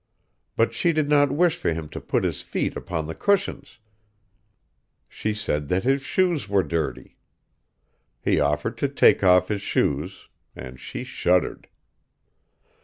But she did not wish for him to put his feet upon the cushions; she said that his shoes were dirty. He offered to take off his shoes; and she shuddered....